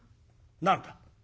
「何だ？」。